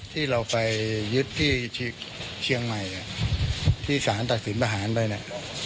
ที่เราไปยึดที่เชียงใหม่ที่สารตัดสินประหารไปเนี่ย